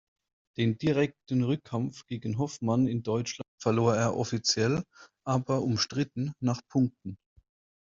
Den direkten Rückkampf gegen Hoffmann in Deutschland verlor er offiziell, aber umstritten nach Punkten.